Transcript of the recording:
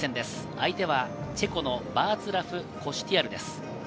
相手はチェコのバーツラフ・コシュティアルです。